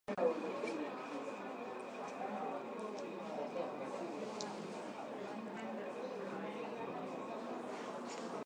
Ba kasayi bana juwa kutembeza sana ma kinga ngambo ya kongolo